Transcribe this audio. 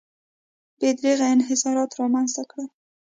بې دریغه انحصارات رامنځته کړل.